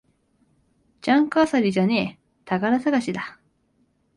ジャンク漁りじゃねえ、宝探しだ